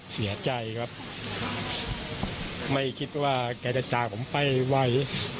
เสียใจครับไม่คิดว่าแกจะจากผมไปไว